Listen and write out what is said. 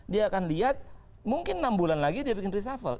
dia akan lihat mungkin enam bulan lagi dia bikin reshuffle